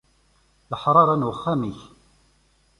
Leḥṛaṛa n uxxam-ik.